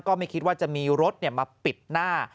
ก็ไม่คิดว่าจะมีรถมาปิดหน้า